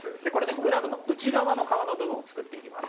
グラブの内側の革の部分を取っています。